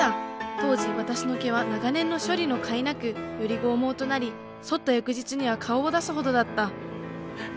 当時私の毛は長年の処理のかいなくより剛毛となり剃った翌日には顔を出すほどだった。